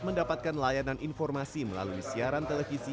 mendapatkan layanan informasi melalui siaran televisi